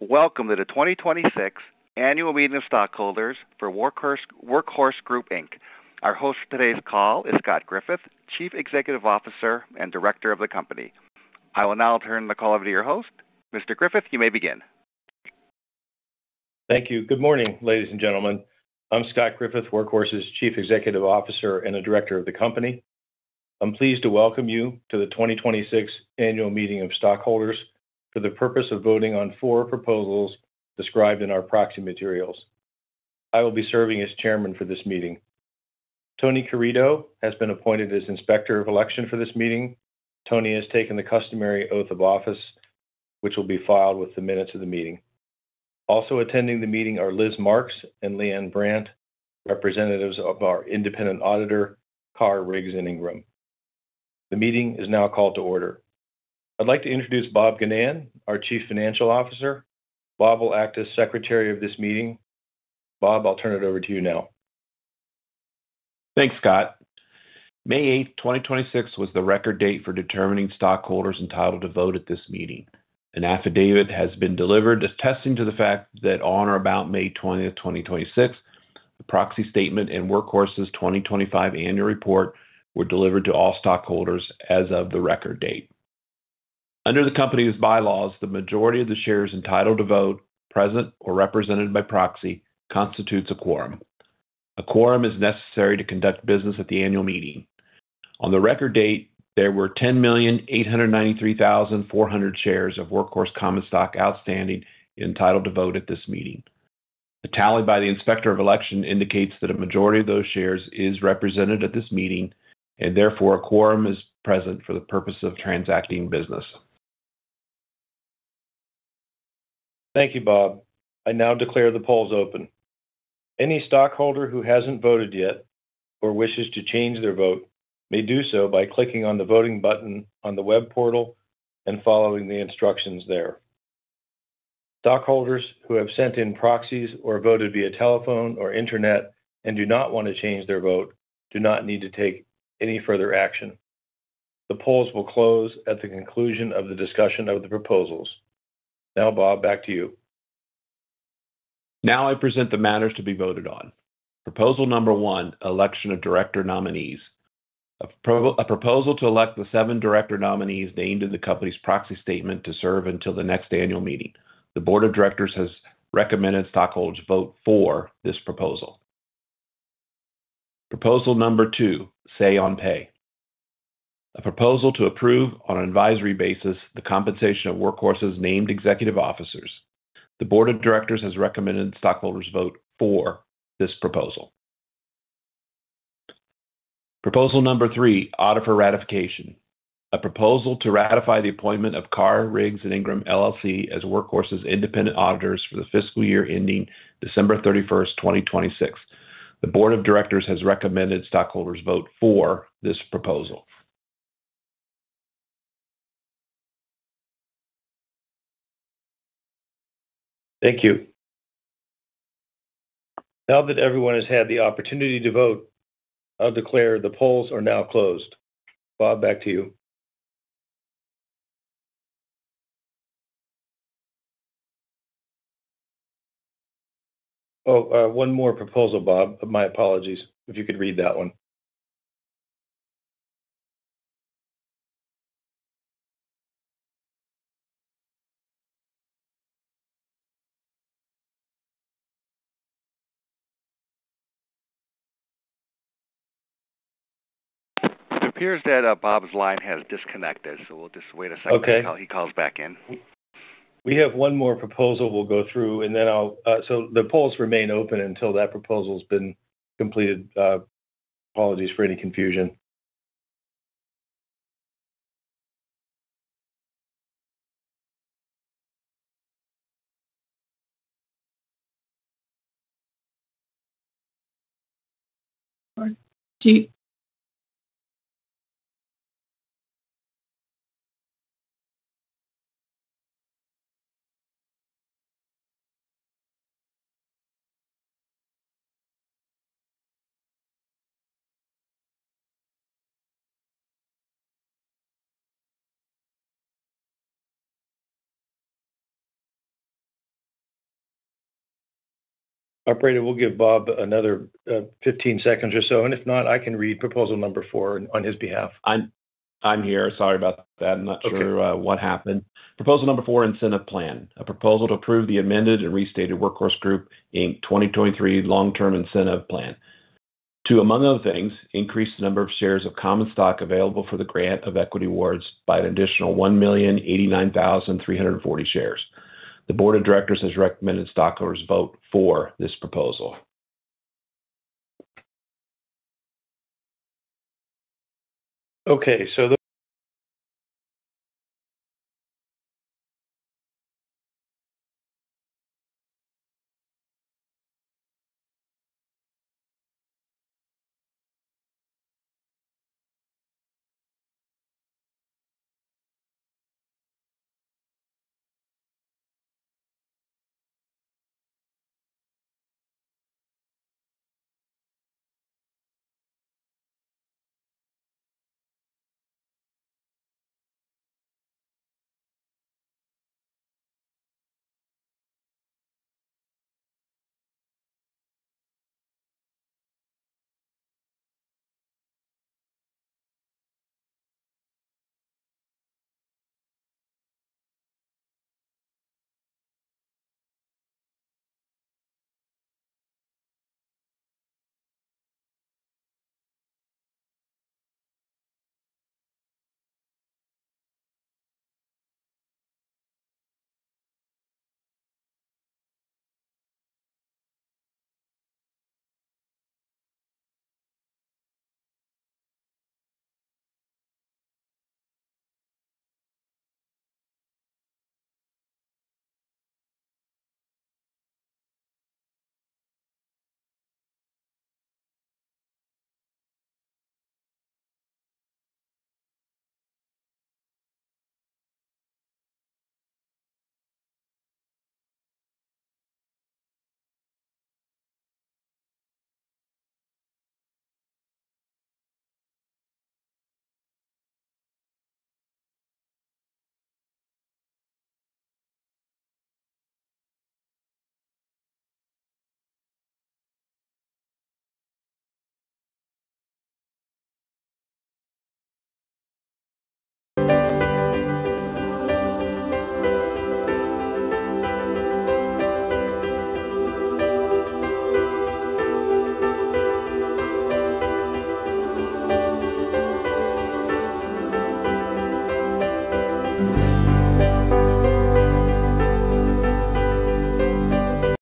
Welcome to the 2026 annual meeting of stockholders for Workhorse Group Inc. Our host for today's call is Scott Griffith, Chief Executive Officer and Director of the company. I will now turn the call over to your host. Mr. Griffith, you may begin. Thank you. Good morning, ladies and gentlemen. I'm Scott Griffith, Workhorse's Chief Executive Officer and a Director of the company. I'm pleased to welcome you to the 2026 annual meeting of stockholders for the purpose of voting on four proposals described in our proxy materials. I will be serving as Chairman for this meeting. Tony Carideo has been appointed as Inspector of Election for this meeting. Tony has taken the customary oath of office, which will be filed with the minutes of the meeting. Also attending the meeting are Liz Marks and Leanne Brandt, representatives of our independent auditor, Carr, Riggs & Ingram. The meeting is now called to order. I'd like to introduce Bob Ginnan, our Chief Financial Officer. Bob will act as secretary of this meeting. Bob, I'll turn it over to you now. Thanks, Scott. May 8th, 2026, was the record date for determining stockholders entitled to vote at this meeting. An affidavit has been delivered attesting to the fact that on or about May 20th, 2026, the proxy statement and Workhorse's 2025 annual report were delivered to all stockholders as of the record date. Under the company's bylaws, the majority of the shares entitled to vote, present or represented by proxy, constitutes a quorum. A quorum is necessary to conduct business at the annual meeting. On the record date, there were 10,893,400 shares of Workhorse common stock outstanding entitled to vote at this meeting. The tally by the Inspector of Election indicates that a majority of those shares is represented at this meeting, and therefore, a quorum is present for the purpose of transacting business. Thank you, Bob. I now declare the polls open. Any stockholder who hasn't voted yet or wishes to change their vote may do so by clicking on the voting button on the web portal and following the instructions there. Stockholders who have sent in proxies or voted via telephone or Internet and do not want to change their vote do not need to take any further action. The polls will close at the conclusion of the discussion of the proposals. Now, Bob, back to you. I present the matters to be voted on. Proposal 1, election of director nominees. A proposal to elect the seven director nominees named in the company's proxy statement to serve until the next annual meeting. The board of directors has recommended stockholders vote for this proposal. Proposal 2, say-on-pay. A proposal to approve on an advisory basis the compensation of Workhorse's named executive officers. The board of directors has recommended stockholders vote for this proposal. Proposal 3, auditor for ratification. A proposal to ratify the appointment of Carr, Riggs & Ingram, L.L.C. as Workhorse's independent auditors for the fiscal year ending December 31st, 2026. The board of directors has recommended stockholders vote for this proposal. Thank you. Now that everyone has had the opportunity to vote, I'll declare the polls are now closed. Bob, back to you. Oh, one more proposal, Bob. My apologies. If you could read that one. It appears that Bob's line has disconnected, we'll just wait a second- Okay until he calls back in. We have one more proposal we'll go through. The polls remain open until that proposal's been completed. Apologies for any confusion. Operator, we'll give Bob another 15 seconds or so, and if not, I can read proposal number four on his behalf. I'm here. Sorry about that. Okay. I'm not sure what happened. Proposal number four, incentive plan. A proposal to approve the amended and restated Workhorse Group Inc. 2023 long-term incentive plan to, among other things, increase the number of shares of common stock available for the grant of equity awards by an additional 1,089,340 shares. The board of directors has recommended stockholders vote for this proposal. Okay.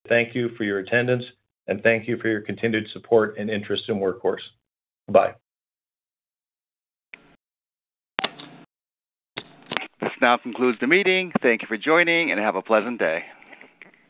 Thank you for your attendance, and thank you for your continued support and interest in Workhorse. Bye. This now concludes the meeting. Thank you for joining, and have a pleasant day.